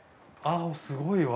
すごいわ。